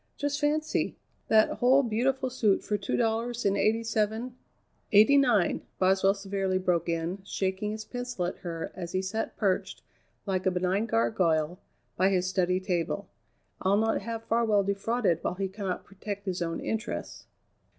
Just fancy! That whole beautiful suit for two dollars and eighty seven " "Eighty nine!" Boswell severely broke in, shaking his pencil at her as he sat perched, like a benign gargoyle, by his study table. "I'll not have Farwell defrauded while he cannot protect his own interests."